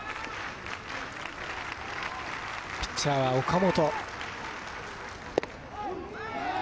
ピッチャーは岡本。